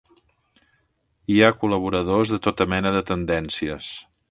Hi ha col·laboradors de tota mena de tendències.